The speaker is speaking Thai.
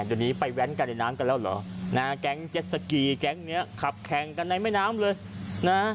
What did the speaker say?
เดี๋ยวนี้ไปแว้นกันในน้ำกันแล้วเหรอนะฮะแก๊งเจ็ดสกีแก๊งเนี้ยขับแข่งกันในแม่น้ำเลยนะ